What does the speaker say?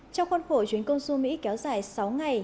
trong khuôn khổ chuyến công du mỹ kéo dài sáu ngày